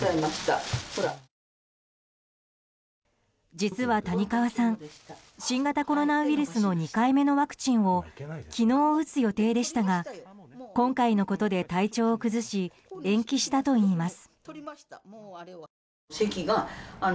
実は谷川さん新型コロナウイルスの２回目のワクチンを昨日、打つ予定でしたが今回のことで体調を崩し延期したといいます。